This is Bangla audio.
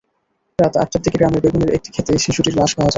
রাত আটটার দিকে গ্রামের বেগুনের একটি খেতে শিশুটির লাশ পাওয়া যায়।